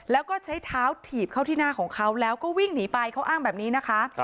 แล้วก็ใช้เท้าถีบเข้าที่หน้าของเขาแล้วก็วิ่งหนีไปเขาอ้างแบบนี้นะคะ